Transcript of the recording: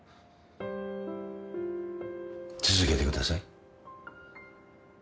続けてください。